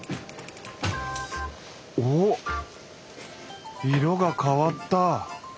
おおっ色が変わった！